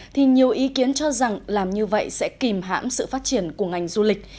thì nhiều ý kiến cho rằng làm như vậy sẽ kìm hãm sự phát triển của ngành du lịch